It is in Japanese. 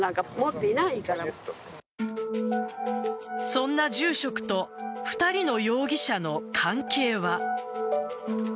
そんな住職と２人の容疑者の関係は。